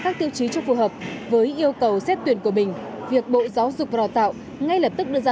các tiêu chí cho phù hợp với yêu cầu xét tuyển của mình việc bộ giáo dục và đào tạo ngay lập tức đưa ra